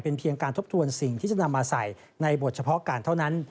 เพียงการทบทวนสิ่งที่จะนำมาใส่ในบทเฉพาะการเท่านั้น